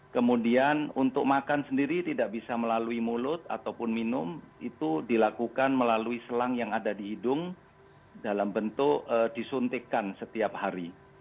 kemudian untuk makan sendiri tidak bisa melalui mulut ataupun minum itu dilakukan melalui selang yang ada di hidung dalam bentuk disuntikan setiap hari